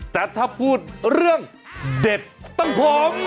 แต่ถ้าพูดเรื่องเด็ดต้องหอม